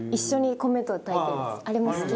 あれも好き。